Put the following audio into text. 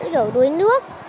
kiểu đuối nước